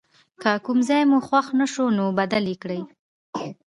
که کوم ځای مو خوښ نه شو نو بدل یې کړئ.